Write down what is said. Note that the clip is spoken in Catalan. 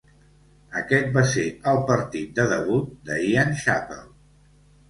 Aquest va ser el partit de debut de Ian Chappell.